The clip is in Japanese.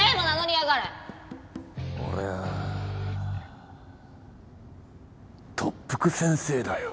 俺は特服先生だよ。